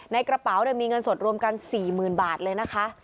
ในกระเป๋ามีเงินสดรวมกัน๔๐๐๐บาทเลยนะคะ